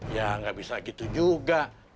ya nggak bisa gitu juga